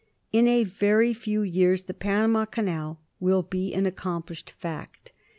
In a very few years the Panama Canal will be an accomplished fact.